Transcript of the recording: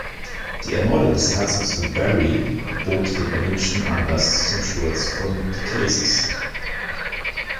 Die Ermordung des Herzogs von Berry bot den erwünschten Anlass zum Sturz von Decazes.